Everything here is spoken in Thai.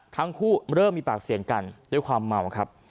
ทั้งคู่เริ่มมีปากเสียงกันด้วยความเมาครับ